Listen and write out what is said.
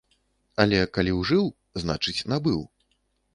Але калі ужыў, значыць, набыў.